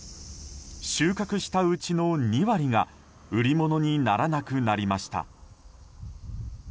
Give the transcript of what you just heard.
収穫したうちの２割が売り物にならなくなりました。